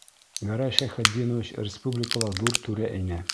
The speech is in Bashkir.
Гәрәй Шәйхетдинович республикала ҙур түрә ине...